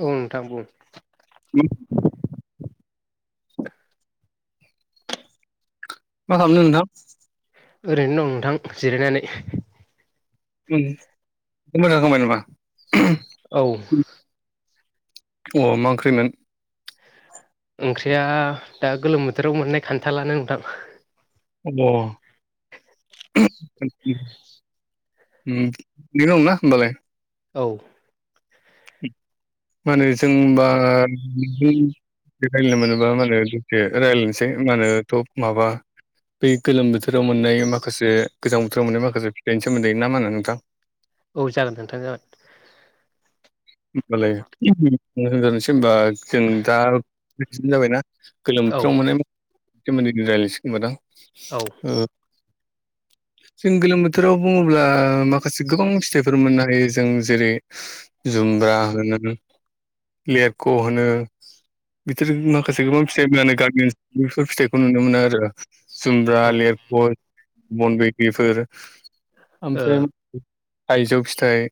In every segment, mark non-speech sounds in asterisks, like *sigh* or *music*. औ नोंथां बुं मा मा खालामदों नोंथां ओरैनो दं नोंथां जिरायनानै मोजां *unintelligible* नामा औ अमा ओंख्रिमोन ओंख्रिया दा गोलोम बोथोराव मोननाय खान्थाालानो नोंथां अ *unintelligible* *unintelligible* औ माने जों होनबा रायज्लायनो मोनोबा मो दसे रायज्लायनोसै मा होनो थप माबा बै गोलोम बोथोराव मोननाय माखासे गोजां बोथोराव मोननाय माखासे फिथाइनि सोमोन्दै ना मा होनो नोंथां औ जागोन नोंथां जागोन होमबालायजनोसै होनबा *unintelligible* *unintelligible* जाबायना गोलोम औ बोथोराव मोननाय सोमोन्दै रायज्लायसिनोसै दां औ *inaudible* जों गोलोम बोथोराव बुंङोब्ला माखासे गोबां फिथाइफोर मोननो हायो जों जेरै जुमब्रा होनो लेरख' होनो *unintelligible* माखासे गोबां फिथाइ मोननानै गारमेन्स बेफोर फिथाइखौ नुनो मोनो आरो औ जुमब्रा ओ लिरख बन बैग्रिफोर ओमफ्राय थायजौ फिथाइ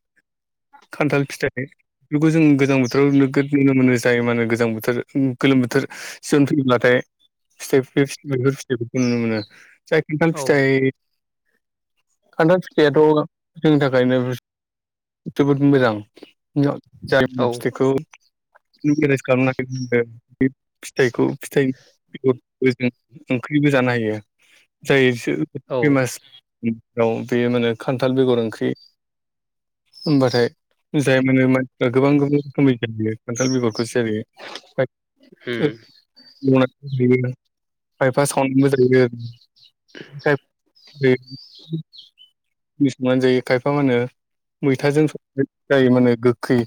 खान्थाल फिथाइ बेफोरखौ जों गोजां बोथोराव नोगद नुनो मोनो जायो माने गोजां बोथोर गोलोम बोथोर फैयोब्लाथाय फिथाइफोर बेफोर फिथाइफोरखौ नुनो मोनो फिथाइ खन्थाल औ उम फिथाइ खान्थाल फिथाइाथ जोंनि थाखायनो जोबोद मोजां जारि औ फिथाइखौे नों खालामनाय नुनो मोनो फिथाइखौ फिथाय जों ओंख्रिबो जानो हायो जाय औ फैमास आव बे माने खान्थाल बेगर ओंख्रि होनबाथाय जाय माने माने गोबां गोबां रोखोमनि जायो खान्थाल बेगर जेरै खायफा सावनानैबो जायो दे संनानै जायो खायफा मा होनो मैथाजों संनाय जायो मानो गोखै ओ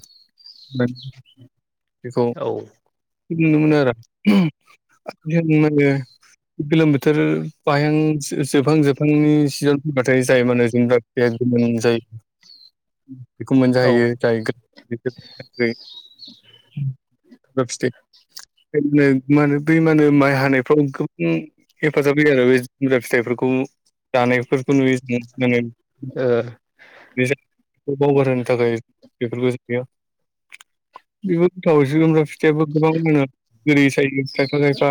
औ नुनो मोनो आरो किल'मिटार बायहां जोबहां जोबहांनि सिजन फैबाथाय जायो माने मोन जायो बेखौ औ ओ मोनजाहैयो जायि फिथाय *inaudible* नो म होन बै मानो माइ हानायफ्राव गोबां हेफाजाब होयो आरो बे जुमब्रा फिथाइफोरखौ जानायफोरखौ नुयो माने ओ बे बावगारहोनो थाखाय बेफोरबो जायो बेबो गोथाव एसे गोमब्रा जेवबो गोबां मोनो बुरै सायो खायफा खायफा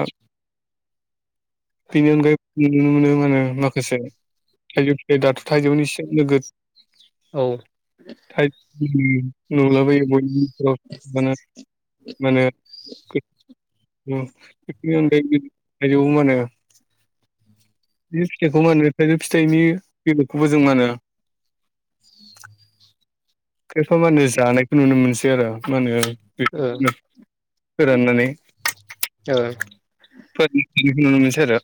बेनि अनगायै नुनो मोनो मानो माखासे थाइजौ बे दाथ थाइजौनि नोगद औ नुलाबयो बयनियाव मानो बेनि अनगायैबो थाइजौ मानो बे फिथाइखौ मा होनो थाइजौ फिथाइनि बेलेगखौबो जों माहोनो *inaudible* खायफा मा होनो जानायखौ नुनो मोनसै आरो मा होनो बेनो फोराननानै औ फोरनिखौ नुनो मोनसै आरो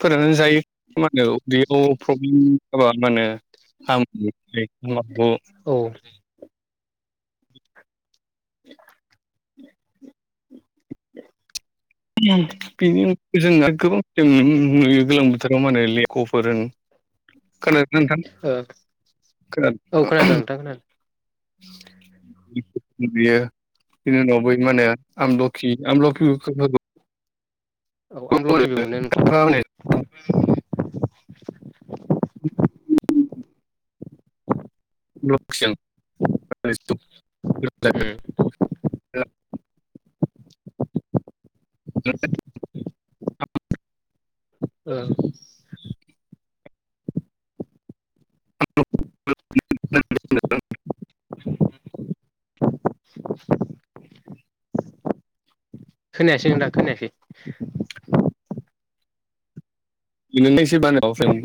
फोरनानै जायो मा होनो बेयाव प्रब्लेम जाबा मा होनो आं बेखौ औ *inaudible* बिनि अनगायैबो जों गोबां जों नुयो गोलोम बोथोराव माने लेख'फोर खोनादोंना नोंथां औ खोनादों औ खोनादों नोंथां खोनादों *inaudible* यो बिनि उनाव बै माने आमलखि आमलखि औ आं आमलखिबो मोनो नोंथां उ लखिजों गोथाव उम *inaudible* ओ *unintelligible* खोनायासै नोंथां खोनायाखै नोंनो एसे बानाय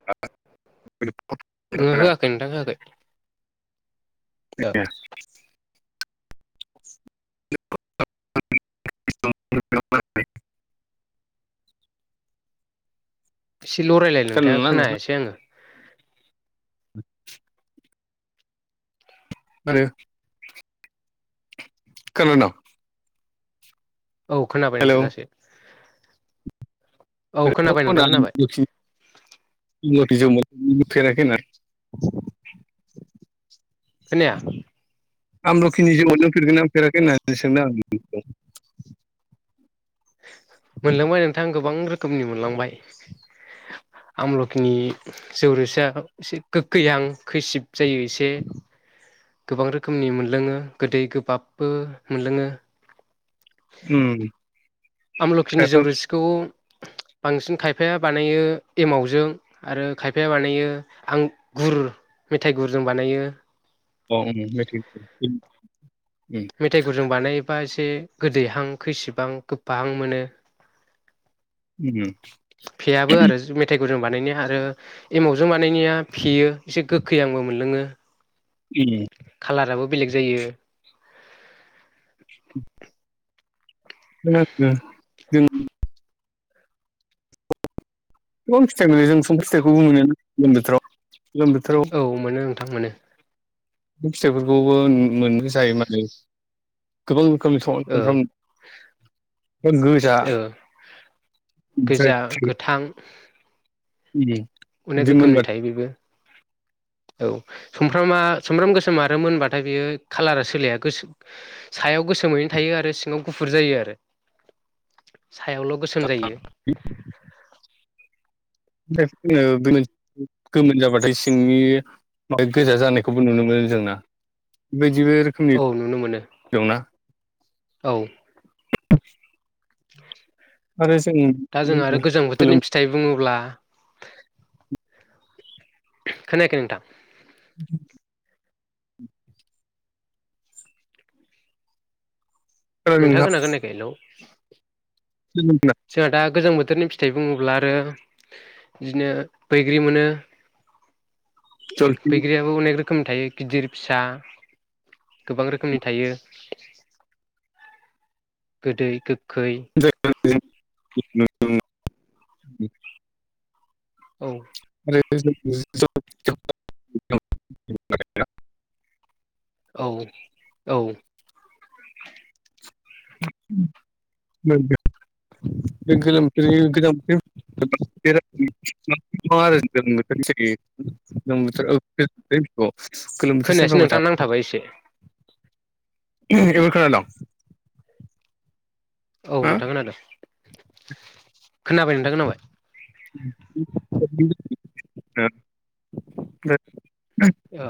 *unintelligible* ओ होआखै नोंथां होआखै *unintelligible* *unintelligible* *unintelligible* एसेल' रायलाय नोंथाङा नोंथां खोनायासै आङो *inaudible* आरो खोनाद' औ खोनाबाय नोंथां दासो औ खोनाबाय नोंथां खोनाबाय *unintelligible* *inaudible* खोनाया आमलखिनि जौ मोनलोंफेरदोंना फेराखै होननानै सोंदों आं नोंनाव मोनलोंबाय नोंथां गोबां रोखोमनि मोनलांबाय आमलखिनि जौ रोसिया एसे गोगखैहां खैसिब जायो एसे गोबां रोखोमनि मोनलोङो गोदै गोबाबबो मोनलोङो उम आमलोखिनि खायफा जौ रोसिखौ बांसिन खायफा खायफाया बानायो एमावजों आरो खायफाया बानायो आंगुर मेथाइ गुर जों बानायो *unintelligible* मेथाइ गुरजों बानायोबा एसे गोदैहां खैसिबहां गोफाहां मोनो उ उ फेयाबो आरो मेथा गुदों बानायनाया आरो एमावजों बानायनाया फेयो एसे गोखै आंबो मोनलोङो ए खालाराबो बेलेग जायो *inaudible* खोनागासिनो जों गोबां फिथाइ मोनो जों समफ्राम फिथाइखौबो मोनो गोजां बोथोराव गोलोम बोथोराव औ मोनो नोंथां मोनो फिथाइफोरखौबो मोनो जायो माने ओ गोबां *unintelligible* गोजा ओ ओमफ्राय गोजा गोथां अनेक बिदि मोनबा रोखोमनि थायो बेबो औ सुमफ्रामा सुमफ्राम गोसोम आरो मोनबाथाय बियो खालारा सोलाया गोसो सायाव गोसोमैनो थायो आरो सिङाव गुफुर जायो आरो *inaudible* सायावल' गोसोम जायो *unintelligible* गोमोन जाबाथाय सिंनि गोजा जानायखौबो नुनो मोनो जोंना बेदिबो रोखोमनि औ नुनो मोनो दंना *inaudible* औ आरो जों दा बे जों आरो गोजां बोथोरनि फिथाइ बुङोब्ला खोनायाखै नोंथां *inaudible* नोंथाङा खोनागोनना खोनायाखै हेलौ जोंहा दा गोजां बो थोरनि फिथाइ बुङोब्ला आरो बिदिनो बैग्रि मोनो बैग्रियाबो अनेक रो खोमनि थायो गिदिर फिसा गोबां रोखोमनि थायो। गोदै गो *unintelligible* औ *unintelligible* औ औ नंगो बे गोलोम बोथोरनि गोजां बोथोर खोनायासै नोंथां *unintelligible* नांथाबाय एसे *unintelligible* इबार खोनादों औ नोंथां खोनादों खोनाबाय नोंथां खोनाबाय *unintelligible* औ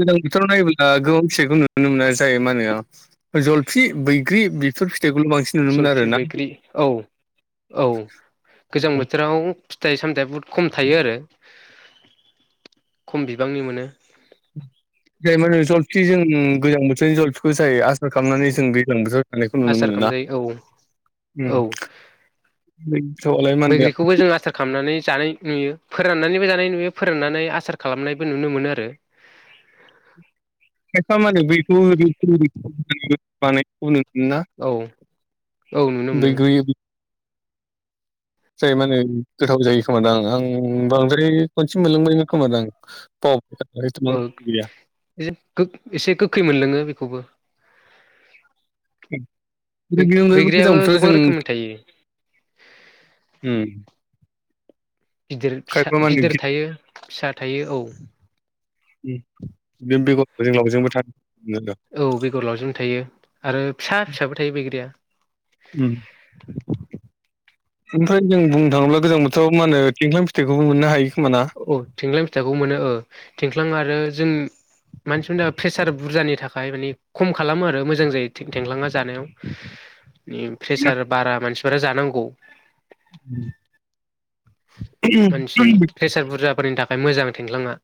गोजां बोथोराव नायोब्ला गोबां फिथाइखौ नुनो मोना जायो मा होनो जलफि बैग्रि बेफोर फि जलफि बैग्रि औ औ गोजां बोथोराव फिथाइ साम थाइ बुहुत खम थायो आरो खम बिबांनि मोनो। जाय मा नो जलफि जों गोजां बोथोरनि जलफिखौ जायो आसार खालामनानै जों गोजां बोथोराव जानायखौ नुनो आसार मोनो ना खालामजायो औ औ बैथ'आलाय मा होनो बैग्रिखौबो जों आसार खालामनानै जानाय नुयो। फोराननानैबो जानाय नुयो फोराननानै आसार खालामनायबो नुनो मोनो आरो खायफा मानो बैखौ *unintelligible* ना औ औ नुनो मोनो बैग्रि जाय मानो गोथाव जायो खोमादों आं बांद्राय खनसे मोनलोंबाय खोमा दां बाव औ एसे गोखै मोनलोङो बेखौबो बेनि अनगायैबो मोजां बैग्रियाबो बोथोराव गोबां जों रोखोमनि थायो उ गिदिर फिसा गिदिर थायो फिसा थायो औ ओजों लावजोंबो था औ बेगर लावजोंबो थायो आरो फिसा फिसाबो थायो बैग्रिया उम ओमफ्राय जों बुंनो थाङोब्ला गोजां बोथोराव मा होनो थिंख्लां फिथाइखौबो मोननो हायो। खोमा ना? औ थिंख्लां फिथाइखौ मोनो औ थिंख्लां आरो जों मानसिफोरनि थाखाय प्रेसार बुरजानि थाखाय मानि खम खालामो आरो मोजां जायो थेंलाङा जानायाव प्रेसार बारा मानसिफोरा जानांगौ मानसिनि उम प्रेसार बुरजाफोरनि थाखाय मोजां थिंख्लाङा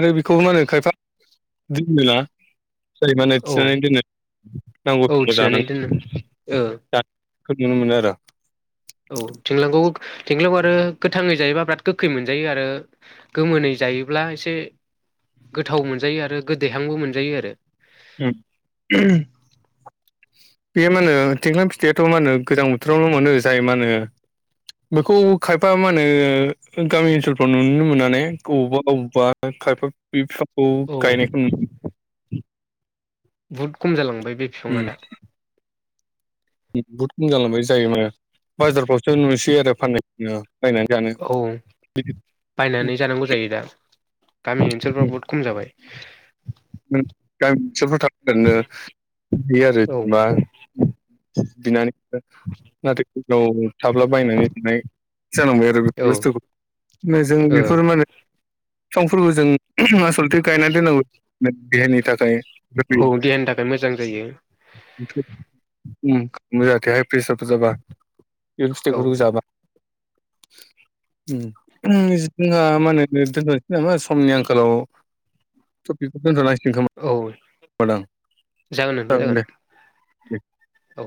आरो बेखौ मा होनो खायफा दिनो ना जाय मानो औ थिनानै दोनो औ नांगौखिनियाव थिनानै जानो दोनो ओ खोब नुनो मोनो आरो औ थिंख्लांखौ थिंख्लांखौ आरो गोथाङै जायोबा बिराद गोखै मोनजायो आरो गोमोनै जायोब्ला एसे गोथाव मोनजायो आरो गोदैहांबो मोनजायो आरो उ बेयो मा होनो थिंख्लां फिथाइयाथ' मा होनो गोजां बोथोरावनो' मोनो जाय मा होनो बेखौ खायफा मा होनो गामि ओनसोलफ्राव नुनो मोननानै बबावबा बबेावबा खायफा बे फिफांखौ औ गायनायखौ नुनो बुहुद खम जालांबाय बे बिफाङा दा बुहुत खम जालांबाय जायो माने बाजारफ्रावसो नुसै आरो फाननायनो बायनानै जानो औ ओनसोलफ्रा बहुत खम जाबाय *inaudible* *inaudible* गामि ओनसोलफोराव थनो *inaudible* आरो औ जेनबा दिनानि ना *inaudible* थाब्ला बायनानै *inaudible* जानांबाय आरो बेफोर औ बुस्थुखौ जों औ बेफोर माने फिफांफोरबो जों आसलथे *inaudible* गायनानै दोननांगौ देहानि थाखाय जाहाथे औ देहानि थाखाय मोजां जायो। मोजाथे हाइ प्रेसारफोर जाबा बे औ बुस्थखौ रुजाबा जोंहा मा होनो दोन'नोसै नामा समनि आंखाल। हेल' टपिकखौ दोनथ'नांगसि गोन औ खोमादां जागोन दे दे। औ।